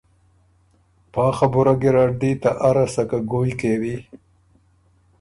پا خبُره ګیرډ دی ته اره سکه ګویٛ کېوی،